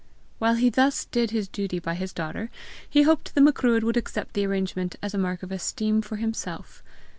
While he thus did his duty by his daughter, he hoped the Macruadh would accept the arrangement as a mark of esteem for himself.